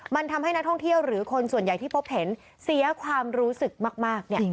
มันทำให้นักท่องเที่ยวหรือคนส่วนใหญ่ที่พบเห็นเสียความรู้สึกมาก